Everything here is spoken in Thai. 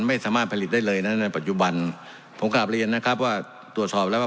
ไม่สามารถผลิตได้เลยนะในปัจจุบันผมกลับเรียนนะครับว่าตรวจสอบแล้วว่า